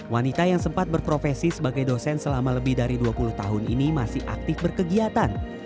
wanita yang sempat berprofesi sebagai dosen selama lebih dari dua puluh tahun ini masih aktif berkegiatan